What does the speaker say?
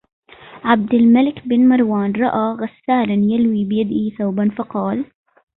عَبْدُ الْمَلِكِ بْنُ مَرْوَانَ رَأَى غَسَّالًا يَلْوِي بِيَدِهِ ثَوْبًا فَقَالَ